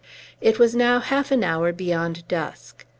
It was now half an hour beyond dusk.